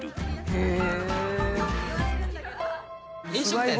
へえ！